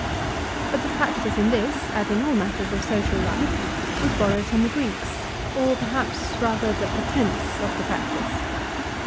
But the practice in this as in all matters of social life, was borrowed from the Greeks, or perhaps rather the pretence of the practice.